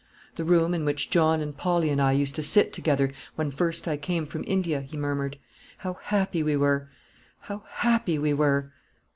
"The room in which John and Polly and I used to sit together when first I came from India," he murmured. "How happy we were! how happy we were!"